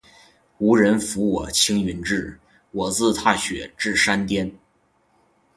无人扶我青云志，我自踏雪至山巅。